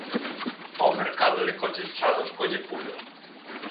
O mercado de coches usados colle pulo.